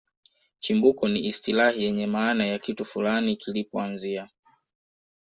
Chimbuko ni istilahi yenye maana ya kitu fulani kilipoanzia